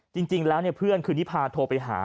จริงแล้วเพื่อนคือนิพาโทรไปหา